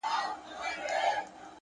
مثبت ذهن ناامیدي شاته پرېږدي؛